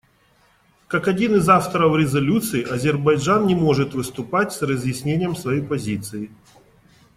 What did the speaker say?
Как один из авторов резолюции Азербайджан не может выступать с разъяснением своей позиции.